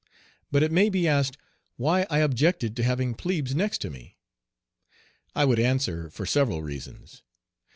But it may be asked why I objected to having plebes next to me. I would answer, for several reasons.